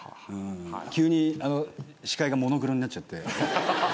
急に視界がモノクロになっちゃって。